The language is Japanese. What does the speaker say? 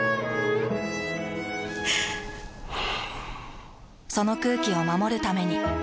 ふぅその空気を守るために。